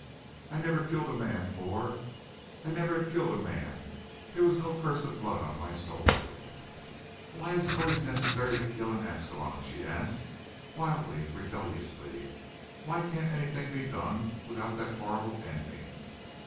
"I never killed a man for I never had killed a man; there was no curse of blood on my soul." "Why is it always necessary to kill in Ascalon?" she asked, wildly, rebelliously. "Why can't anything be done without that horrible ending!"